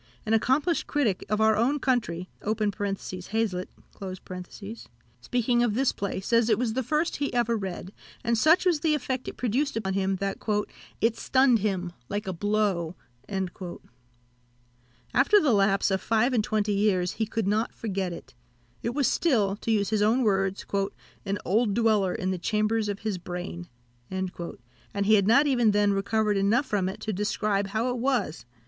An accomplished critic of our own country (Hazlitt), speaking of this play, says it was the first he ever read, and such was the effect it produced on him, that "it stunned him, like a blow." After the lapse of five and twenty years, he could not forget it; it was still, to use his own words, "an old dweller in the chambers of his brain," and he had not even then recovered enough from it to describe how it was.